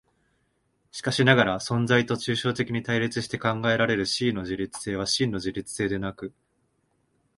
しかしながら存在と抽象的に対立して考えられる思惟の自律性は真の自律性でなく、